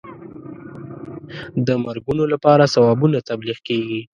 د مرګونو لپاره ثوابونه تبلیغ کېږي.